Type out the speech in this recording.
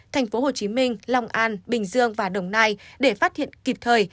thành phố hồ chí minh long an bình dương và đồng nai để phát hiện kịp thời